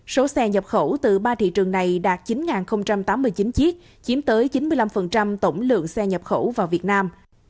số xe nhập khẩu từ ba thị trường này đạt chín tám mươi chín chiếc chiếm tới chín mươi năm tổng lượng xe nhập khẩu vào việt nam